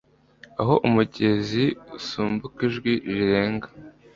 aho umugezi usimbuka n'ijwi rirenga